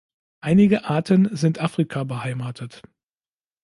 Einige Arten sind Afrika beheimatet.